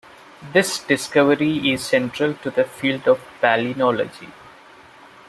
This discovery is central to the field of palynology.